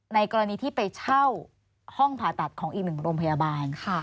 ในกรณีที่ไปเช่าห้องผ่าตัดของอีกหนึ่งโรงพยาบาล